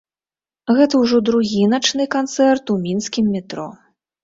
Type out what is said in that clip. Гэта ўжо другі начны канцэрт у мінскім метро.